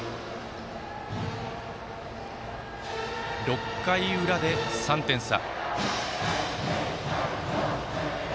６回裏で、３点差。